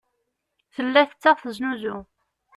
Tella tettaɣ teznuzu.